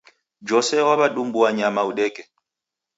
Jose waw'edumbua nyama udeke